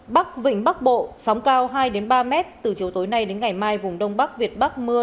bắc vịnh bắc bộ sóng cao hai ba mét từ chiều tối nay đến ngày mai vùng đông bắc việt bắc mưa